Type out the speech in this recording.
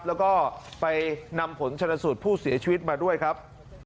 แล้วก็ไปนำผลชนสูตรผู้เสียชีวิตมาด้วยครับ